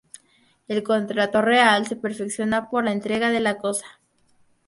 El contrato real se perfecciona por la entrega de la cosa.